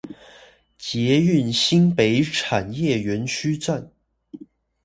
捷運新北產業園區站